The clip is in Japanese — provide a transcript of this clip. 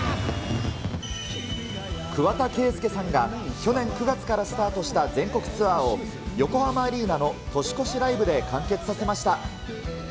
桑田佳祐さんが、去年９月からスタートした全国ツアーを、横浜アリーナの年越しライブで完結させました。